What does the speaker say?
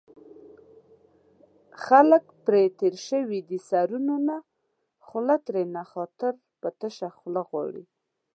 خلک پرې تېر شوي دي سرونو نه خوله ترېنه خاطر په تشه خوله غواړي